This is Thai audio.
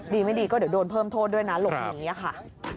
ดีไม่ดีก็เดี๋ยวโดนเพิ่มโทษด้วยนะหลบหนีค่ะ